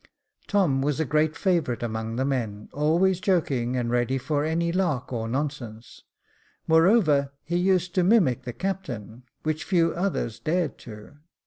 Tom was a great favourite among the men, always joking, and ready for any lark or nonsense ; moreover he used to mimic the captain, which few others dared do.